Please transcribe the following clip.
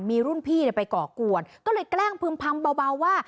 มีรุ่นพี่ไปก่อกวนก็เลยแกล้งพึ่มพำเบาว่า